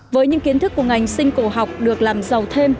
với những kiến thức của ngành sinh cổ học được làm giàu thêm